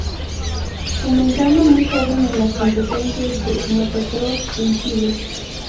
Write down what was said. Comenzando muy joven en las competencias de Motocross en Chile.